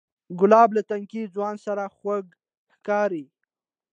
ګلاب له تنکي ځوان سره خواږه ښکاري.